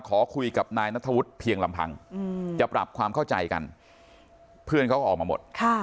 ขอคุยกับนายนัทธวุฒิเพียงลำพังจะปรับความเข้าใจกันเพื่อนเขาก็ออกมาหมด